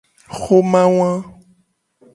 Xoma wa.